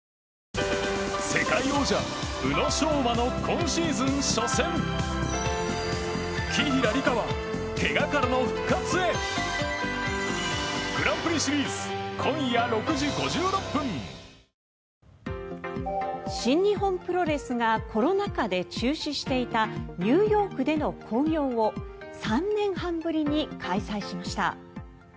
訓練を終えた動員兵８万２０００人が新日本プロレスがコロナ禍で中止していたニューヨークでの興行を３年半ぶりに開催しました。